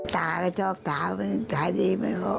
ตาก็ชอบถาถาดีไม่พอ